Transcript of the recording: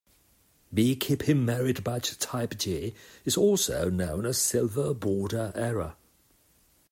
Beekeeping merit badge Type G is also known in silver border error.